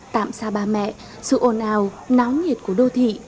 tạm xa ba mẹ sự ồn ào náo nhiệt của đô thị